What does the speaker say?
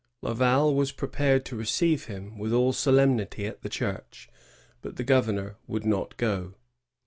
"* Laval was prepared to receive him with all solemnity at the Church; but the governor would not go.